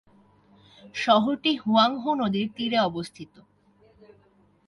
শহরটি হুয়াংহো নদীর তীরে অবস্থিত।